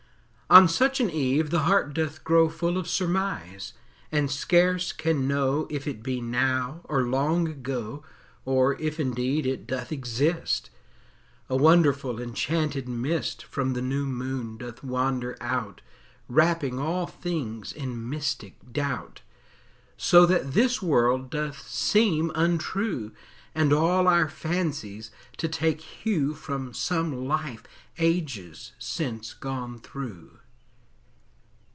On such an eve the heart doth grow Full of surmise, and scarce can know If it be now or long ago, Or if indeed it doth exist; A wonderful enchanted mist From the new moon doth wander out, Wrapping all things in mystic doubt, So that this world doth seem untrue, And all our fancies to take hue From some life ages since gone through.